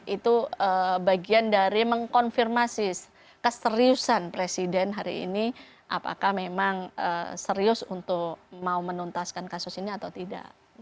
itu bagian dari mengkonfirmasi keseriusan presiden hari ini apakah memang serius untuk mau menuntaskan kasus ini atau tidak